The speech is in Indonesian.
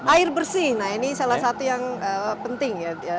air bersih nah ini salah satu yang penting ya